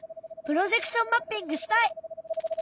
プロジェクションマッピングしたい！